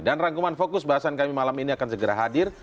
rangkuman fokus bahasan kami malam ini akan segera hadir